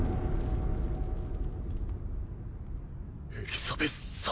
エリザベス様。